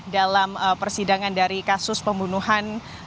dalam persidangan dari kasus pembunuhan